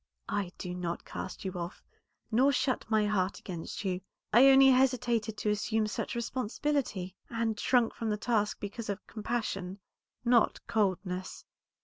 "I do not cast you off, nor shut my heart against you. I only hesitated to assume such responsibility, and shrunk from the task because of compassion, not coldness.